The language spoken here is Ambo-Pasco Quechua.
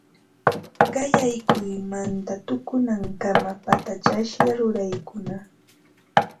Qallaykuymanta tukunankama patachasqa ruraykuna